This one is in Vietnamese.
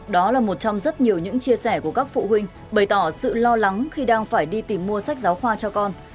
đó là một trong rất nhiều những chia sẻ của các phụ huynh bày tỏ sự lo lắng khi đang phải đi tìm mua sách giáo khoa cho con